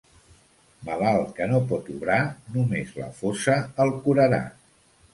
Malalt que no pot obrar, només la fossa el curarà.